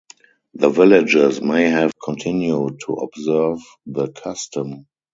The villages may have continued to observe the custom.